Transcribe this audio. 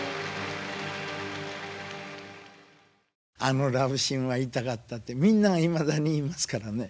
「あのラブシーンは痛かった」ってみんながいまだに言いますからね。